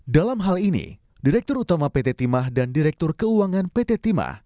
dalam hal ini direktur utama pt timah dan direktur keuangan pt timah